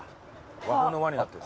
「和風」の「和」になってる。